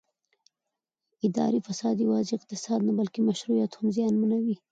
اداري فساد یوازې اقتصاد نه بلکې مشروعیت هم زیانمنوي